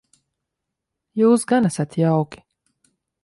Jūs gan esat jauki.